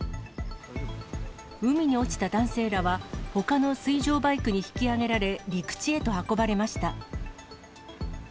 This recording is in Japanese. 海に落ちた男性らは、ほかの水上バイクに引き上げられ、陸地へと運ばれました。